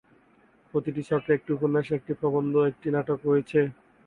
প্রতিটি চক্রে একটি উপন্যাস, একটি প্রবন্ধ এবং একটি নাটক রয়েছে।